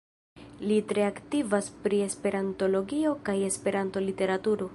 Li tre aktivas pri esperantologio kaj esperanto-literaturo.